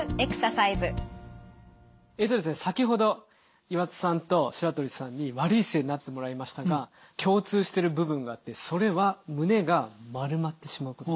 先ほど岩田さんと白鳥さんに悪い姿勢になってもらいましたが共通している部分があってそれは胸が丸まってしまうことです。